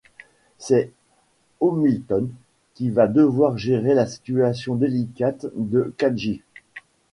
C'est Hamilton qui va devoir gérer la situation délicate de Khadji.